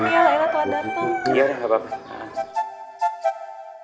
minta maaf ya laila telat datang